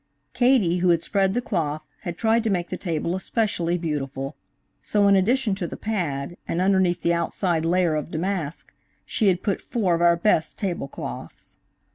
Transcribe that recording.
Katie, who had spread the cloth, had tried to make the table especially beautiful, so, in addition to the pad, and underneath the outside layer of damask, she had put four of our best tablecloths.